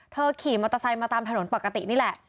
ขี่มอเตอร์ไซค์มาตามถนนปกตินี่แหละ